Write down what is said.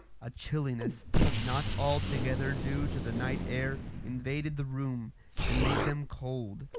A chilliness, not altogether due to the night air, invaded the room, and made them cold.